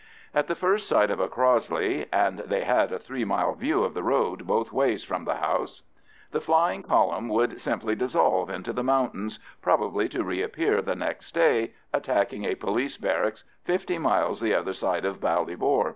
At the first sight of a Crossley—and they had a three mile view of the road both ways from the house—the flying column would simply dissolve into the mountains, probably to reappear the next day attacking a police barrack fifty miles the other side of Ballybor.